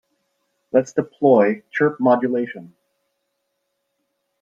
Let's deploy chirp modulation.